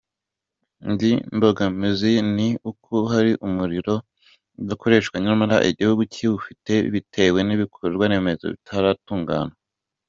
Indi mbogamizi ni uko hari umuriro udakoreshwa nyamara igihugu kiwufite bitewe n’ibikorwaremezo bitaratungana .